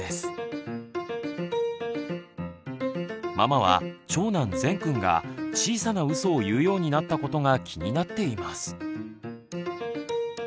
ママは長男ぜんくんが小さなうそを言うようになったことが気になっています。